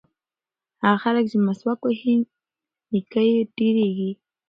هغه خلک چې مسواک وهي نیکۍ یې ډېرېږي.